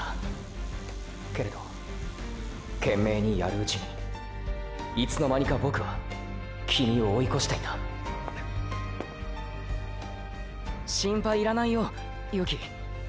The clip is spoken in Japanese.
けれど懸命にやるうちにいつの間にかボクはキミを追いこしていた心配いらないよ雪成。